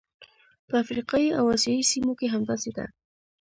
په افریقایي او اسیايي سیمو کې همداسې ده.